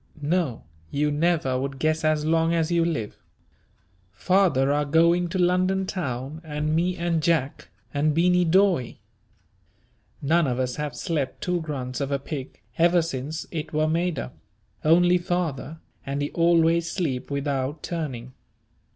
No you never would guess as long as you live father are going to London town, and me, and Jack, and Beany Dawe. None of us have slept two grunts of a pig, ever since it were made up, only father, and he always sleep without turning.